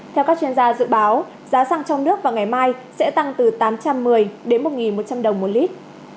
theo các chuyên gia dự báo giá xăng trong nước vào ngày mai sẽ tăng từ tám trăm một mươi đến một một trăm linh đồng một lít